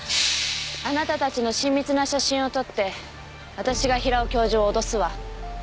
あなたたちの親密な写真を撮って私が平尾教授を脅すわ。